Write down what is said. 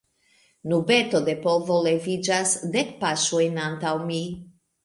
Nubeto de polvo leviĝas, dek paŝojn antaŭ mi.